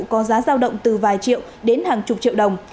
có giá giao động từ vài triệu đến hàng chục triệu đồng